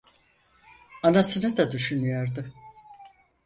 Anasını da düşünüyordu.